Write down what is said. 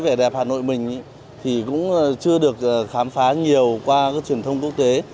vẻ đẹp hà nội mình thì cũng chưa được khám phá nhiều qua các truyền thông quốc tế